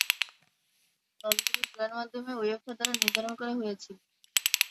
দলগুলো ড্রয়ের মাধ্যমে উয়েফা দ্বারা নির্ধারণ করা হয়েছিল।